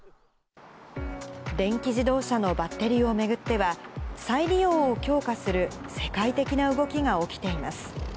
電気自動車のバッテリーを巡っては、再利用を強化する世界的な動きが起きています。